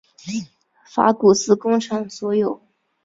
法古斯工厂所有。